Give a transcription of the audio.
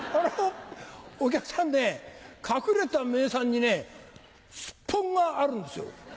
お客さんね隠れた名産にねスッポンがあるんですよ。